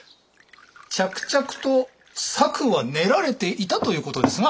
着々と策は練られていたということですな。